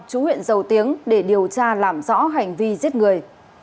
chú huyện dầu tiếng để điều tra làm rõ hành vi giết người